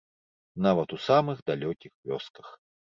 Нават у самых далёкіх вёсках.